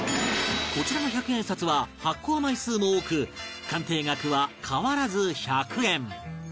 こちらの１００円札は発行枚数も多く鑑定額は変わらず１００円